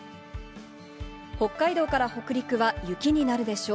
北海道から北陸は雪になるでしょう。